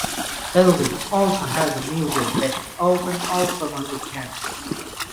Elgin also has a museum that is open all summer on weekends.